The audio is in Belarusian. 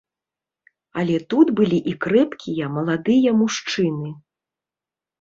Але тут былі і крэпкія маладыя мужчыны.